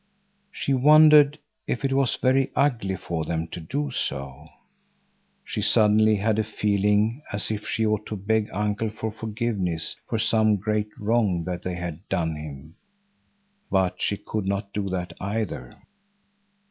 She wondered if it was very ugly for them to do so. She suddenly had a feeling as if she ought to beg Uncle for forgiveness for some great wrong that they had done him. But she could not do that either.